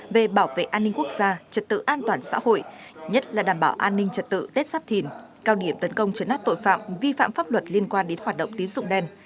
về bảo vệ an ninh quốc gia trật tự an toàn xã hội nhất là đảm bảo an ninh trật tự tết sắp thìn cao điểm tấn công chấn áp tội phạm vi phạm pháp luật liên quan đến hoạt động tín dụng đen